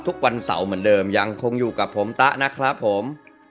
ทุกวันเสาร์เหมือนเดิมยังคงอยู่กับผมตะนะครับผม